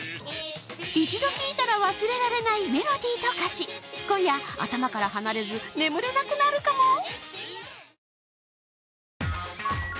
一度聞いたら忘れられないメロディーと歌詞、今夜、頭から離れず眠れなくなるかも！？